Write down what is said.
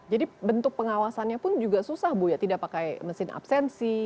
jadi bentuk pengawasannya pun juga susah bu ya tidak pakai mesin absensi